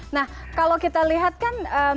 nah kalau kita lihat kan